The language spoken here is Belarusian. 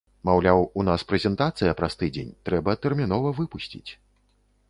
Маўляў, у нас прэзентацыя праз тыдзень, трэба тэрмінова выпусціць.